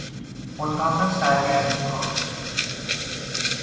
اتاق سرگرمیها